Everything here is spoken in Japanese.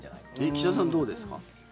岸田さん、どうですか。